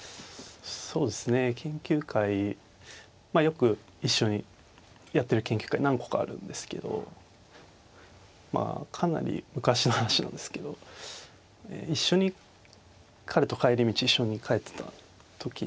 そうですね研究会まあよく一緒にやってる研究会何個かあるんですけどまあかなり昔の話なんですけど一緒に彼と帰り道一緒に帰ってた時に